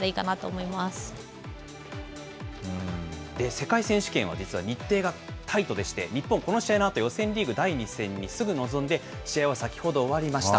世界選手権は実は日程がタイトでして、日本、この試合のあと予選リーグ第２戦にすぐ臨んで、試合は先ほど終わりました。